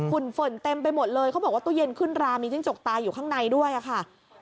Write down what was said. ฝุ่นเต็มไปหมดเลยเขาบอกว่าตู้เย็นขึ้นรามีจิ้งจกตายอยู่ข้างในด้วยค่ะ